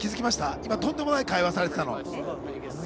今、とんでもない会話されてたの。